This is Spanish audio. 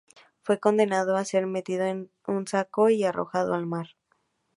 Fue condenado a ser metido en un saco y arrojado al mar.